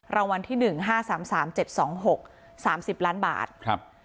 รางวัลที่หนึ่งห้าสามสามเจ็ดสองหกสามสิบล้านบาทครับ